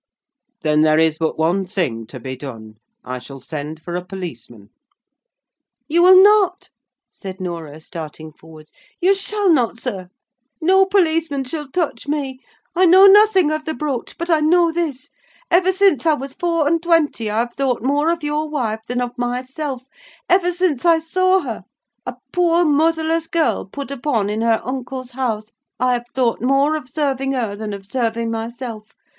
"Then there is but one thing to be done. I shall send for a policeman." "You will not," said Norah, starting forwards. "You shall not, sir! No policeman shall touch me. I know nothing of the brooch, but I know this: ever since I was four and twenty I have thought more of your wife than of myself: ever since I saw her, a poor motherless girl put upon in her uncle's house, I have thought more of serving her than of serving myself!